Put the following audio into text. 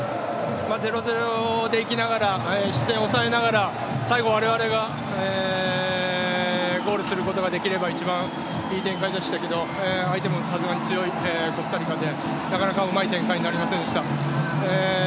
０−０でいきながら失点を抑えながら、最後我々がゴールすることができれば一番いい展開でしたけど相手もさすがに強いコスタリカでなかなかうまい展開になりませんでした。